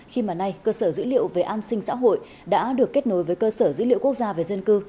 khi mà nay cơ sở dữ liệu về an sinh xã hội đã được kết nối với cơ sở dữ liệu quốc gia về dân cư